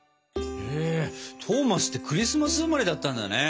へえトーマスってクリスマス生まれだったんだね。ね。